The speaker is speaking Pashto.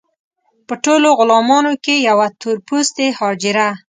په ټولو غلامانو کې یوه تور پوستې حاجره.